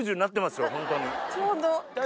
ちょうど？